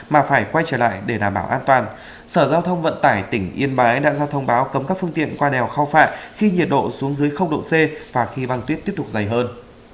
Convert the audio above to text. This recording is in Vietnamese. mà phải quay trở lại để đảm bảo an toàn sở giao thông vận tải tỉnh yên bái đã ra thông báo cấm các phương tiện qua đèo khao phạ khi nhiệt độ xuống dưới độ c và khi băng tuyết tiếp tục dày hơn